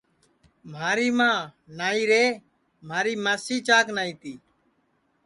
مھاری ماں نائیرے مھاری ماسی چاک نائی تی